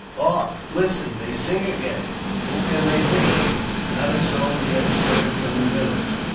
"Hark! listen! they sing again ! Who can they be ?" Not a soul yet stirred from the village.